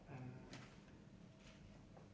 อ่า